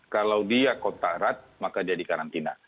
kalau dia kotarat maka dia dikarantina